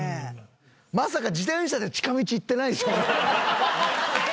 まさか自転車で近道行ってないでしょうね？